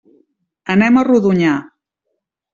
Anem a Rodonyà.